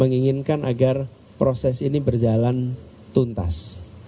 dan kita inginkan agar proses ini berjalan tuntas